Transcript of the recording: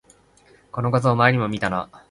この画像、前にも見たな